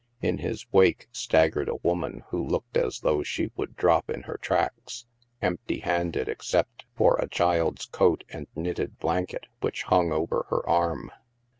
In his wake staggered a woman who looked as though she would drop in her tracks, empty handed except for a child's coat and knitted blanket, which hung over her arm.